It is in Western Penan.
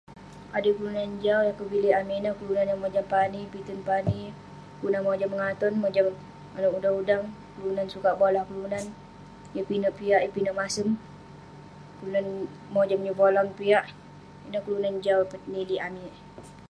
Adui kelunan jau yah kepilik amik ineh, kelunan yah mojam pani, pitek pani, kelunan mojam mengaton mojam manouk udang udang, kelunan sukat boleh kelunan, yeng pinek piak yeng pinek masem, kelunan mojam nyevolang piak, ineh kelunan jau nilik amik